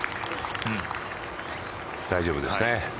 大丈夫ですね。